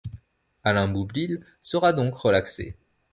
Alain Boublil sera donc relaxé.